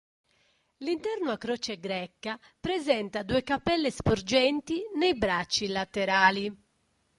L'interno a croce greca presenta due cappelle sporgenti nei bracci laterali.